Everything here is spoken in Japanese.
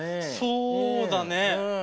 そうだね。